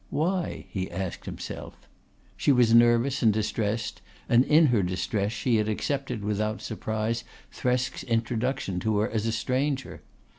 Why? he asked himself. She was nervous and distressed, and in her distress she had accepted without surprise Thresk's introduction to her as a stranger.